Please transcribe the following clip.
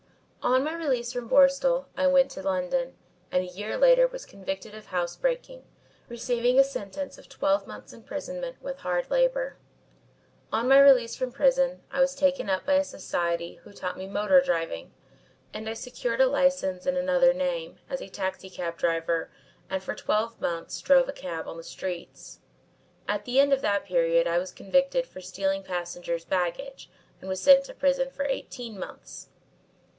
"On my release from Borstal I went to London, and a year later was convicted of house breaking, receiving a sentence of twelve months' imprisonment with hard labour. On my release from prison I was taken up by a society who taught me motor driving, and I secured a licence in another name as a taxicab driver and for twelve months drove a cab on the streets. At the end of that period I was convicted for stealing passengers' baggage and was sent to prison for eighteen months.